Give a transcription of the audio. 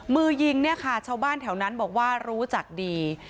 มือยิงชาวบ้านแถวนั้นบอกว่ารู้จักดี